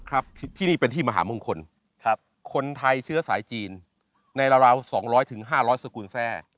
ครับที่นี่เป็นที่มหามงคลคนไทยเชื้อสายจีนในราว๒๐๐๕๐๐สกุลแทร่